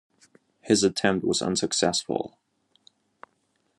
His attempt was unsuccessful.